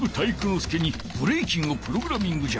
介にブレイキンをプログラミングじゃ。